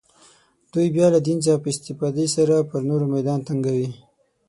دوی بیا له دین څخه په استفاده سره پر نورو میدان تنګوي